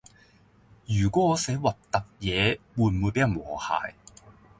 如果我寫核突嘢會唔會比人和諧